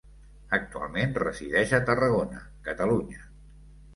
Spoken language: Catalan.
Actualment resideix a Tarragona, Catalunya.